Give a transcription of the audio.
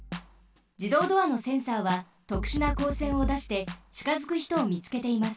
じどうドアのセンサーはとくしゅなこうせんをだしてちかづくひとをみつけています。